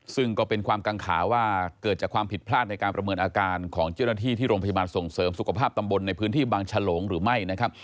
ซึ่งก็เป็นความกังขาว่าเกิดจากความผิดพลาดในการประเมินอาการของเจ้าหน้าที่ที่โรงพยาบาลส่งเสริมสุขภาพตำบลในพื้นที่บางฉลงหรือไม่นะครับ